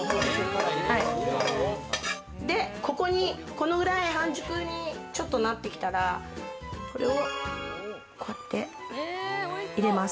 これぐらい半熟にちょっとなってきたら、これをこうやって入れます。